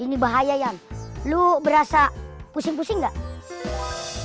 ini bahaya yan lu berasa pusing pusing enggak